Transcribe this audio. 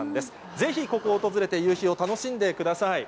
ぜひ、ここを訪れて夕日を楽しんでください。